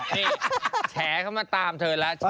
นี่แฉเข้ามาตามเธอแล้ว